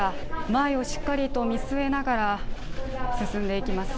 前をしっかりと見据えながら進んでいきます。